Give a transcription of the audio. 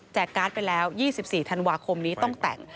การ์ดไปแล้ว๒๔ธันวาคมนี้ต้องแต่ง